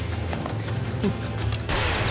フッ。